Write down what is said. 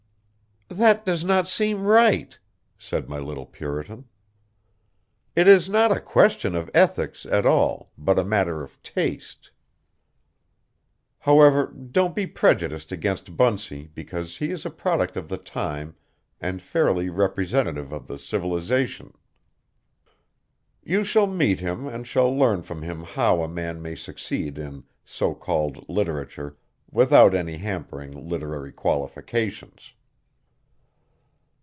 "That does not seem right," said my little Puritan. "It is not a question of ethics at all, but a matter of taste. However, don't be prejudiced against Bunsey because he is a product of the time and fairly representative of the civilization. You shall meet him and shall learn from him how a man may succeed in so called literature without any hampering literary qualifications."